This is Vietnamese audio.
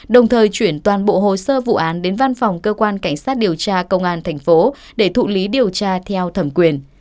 đồng thời chuyển toàn bộ hồ sơ vụ án đến văn phòng cơ quan cảnh sát điều tra công an thành phố để thụ lý điều tra theo thẩm quyền